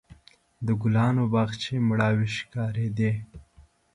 د ګلانو باغچې مړاوې ښکارېدې.